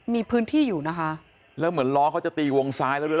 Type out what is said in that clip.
มีพื้นที่อยู่นะคะแล้วเหมือนล้อเขาจะตีวงซ้ายแล้วด้วย